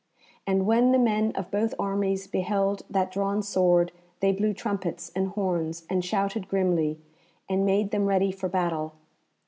And when the men of both armies beheld that drawn sword, they blew trumpets and horns and shouted grimly, and made them ready for battle.